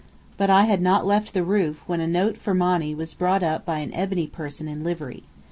But I had not left the roof when a note for Monny was brought up by an ebony person in livery.